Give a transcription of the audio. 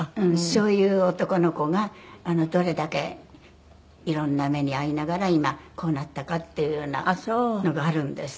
そういう男の子がどれだけ色んな目に遭いながら今こうなったかっていうようなのがあるんです。